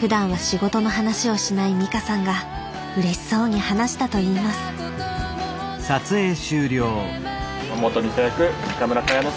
ふだんは仕事の話をしない美香さんがうれしそうに話したといいます山本美香役中村加弥乃さん